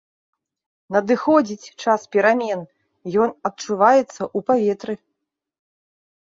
Надыходзіць час перамен, ён адчуваецца ў паветры.